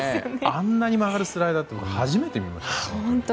あんなに曲がるスライダー初めて見ました。